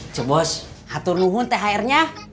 cuy bos hatur nuhun thrnya